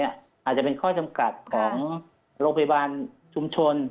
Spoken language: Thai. อาจจะเป็นข้อจำกัดของโรงพยาบาลชุมชน